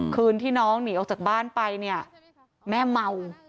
คืนที่น้องหนีออกจากบ้านไปเนี่ยแม่เมา